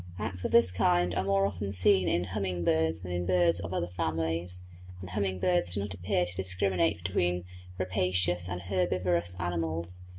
Acts of this kind are more often seen in humming birds than in birds of other families; and humming birds do not appear to discriminate between rapacious and herbivorous mammals.